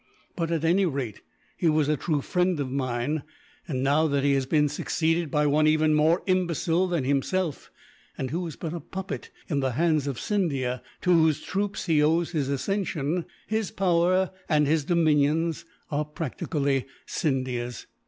But at any rate, he was a true friend of mine and, now that he has been succeeded by one even more imbecile than himself and who is but a puppet in the hands of Scindia, to whose troops he owes his accession his power and his dominions are practically Scindia's.